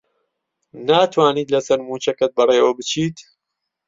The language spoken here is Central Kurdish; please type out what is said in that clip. ناتوانیت لەسەر مووچەکەت بەڕێوە بچیت؟